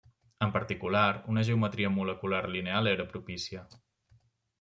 En particular, una geometria molecular lineal era propícia.